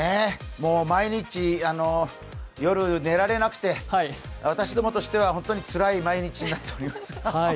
毎日、夜寝られなくて、私どもとしては本当につらい毎日になっています。